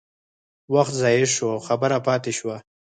وخت ضایع شو او خبره پاتې شوه.